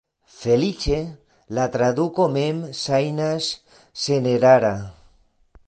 Feliĉe, la traduko mem ŝajnas senerara.